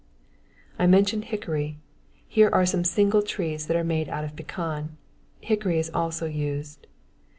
I mentioned hickory. Here are some single trees that are made out of pecan. Hickory is also used.